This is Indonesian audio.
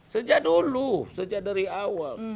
sejak dulu sejak dari awal